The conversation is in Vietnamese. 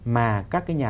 mà các cái nhà